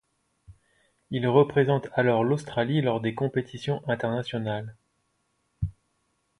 Il représente alors l'Australie lors des compétitions internationales.